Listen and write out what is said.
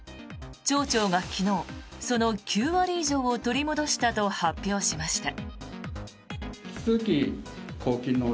町長が昨日、その９割以上を取り戻したと発表しました。